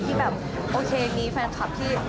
ที่แบบโอเคมีแฟนคลับที่